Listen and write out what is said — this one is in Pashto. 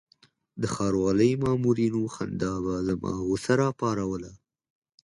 د ښاروالۍ مامورینو خندا به زما غوسه راپاروله.